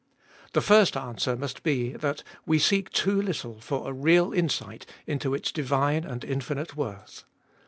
The first answer must be, that we seek too little for a real insight into its divine and infinite worth.